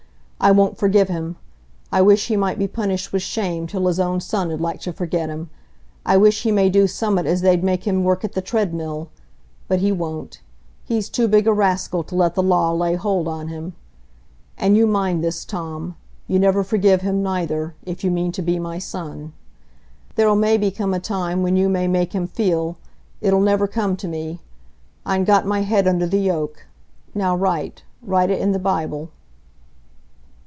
I won't forgive him! I wish he might be punished with shame till his own son 'ud like to forget him. I wish he may do summat as they'd make him work at the treadmill! But he won't,—he's too big a raskill to let the law lay hold on him. And you mind this, Tom,—you never forgive him neither, if you mean to be my son. There'll maybe come a time when you may make him feel; it'll never come to me; I'n got my head under the yoke. Now write—write it i' the Bible."